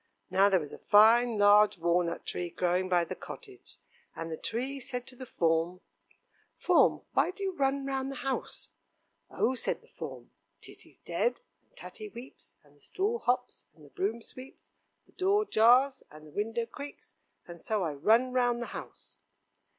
Now there was a fine large walnut tree growing by the cottage, and the tree said to the form: "Form, why do you run round the house?" "Oh!" said the form, "Titty's dead, and Tatty weeps, and the stool hops, and the broom sweeps, the door jars, and the window creaks, and so I run round the house."